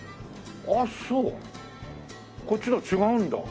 あっそうこっちとは違うんだ。